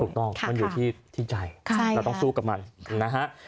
ถูกต้องมันอยู่ที่ใจเราต้องสู้กับมันนะฮะ